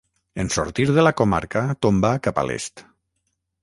En sortir de la comarca tomba cap a l'est.